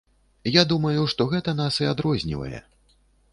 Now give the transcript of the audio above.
Я думаю, што гэта нас і адрознівае.